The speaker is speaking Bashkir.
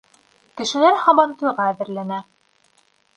Кешеләр һабантуйға әҙерләнә.